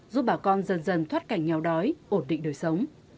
giúp bà con dần dần thoát cảnh nghèo đói ổn định đời sống